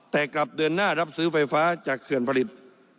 แต่กลับเดินหน้ารับซื้อไฟฟ้าจากเขื่อนผลิต